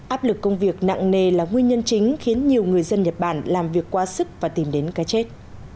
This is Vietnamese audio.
áp lực công việc nặng nề là nguyên nhân chính khiến nhiều người dân nhật bản làm việc quá sức và tìm đến cái chết